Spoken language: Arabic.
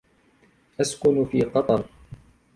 أسكن في قطر.